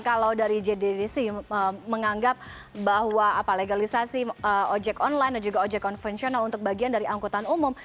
kalau dari jddc menganggap bahwa legalisasi ojek online dan juga ojek konvensional untuk bagian dari angkutan umum